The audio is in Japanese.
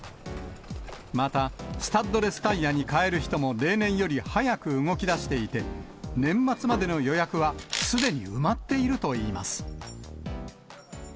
また、スタッドレスタイヤにかえる人も例年より早く動きだしていて、年末までの予約はすでに埋まっているといいます。